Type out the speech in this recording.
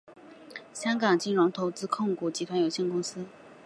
香港金融投资控股集团有限公司。